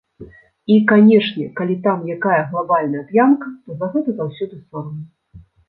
І, канешне, калі там якая глабальная п'янка, то за гэта заўсёды сорамна.